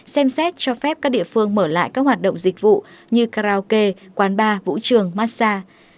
xem xét cho phép các địa phương mở lại các hoạt động dịch vụ như karaoke quán bar vũ trường massage